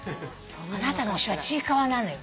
あなたの推しはちいかわなのよ。